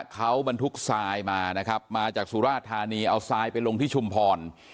เขาบรรทุกทรายมานะครับมาจากสุราชธานีเอาทรายไปลงที่ชุมพร